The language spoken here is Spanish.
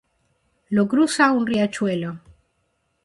Lo cruza un riachuelo.